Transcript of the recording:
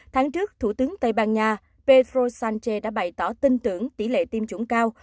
tháng trước thủ tướng tây ban nha pedro sánche đã bày tỏ tin tưởng tỷ lệ tiêm chủng cao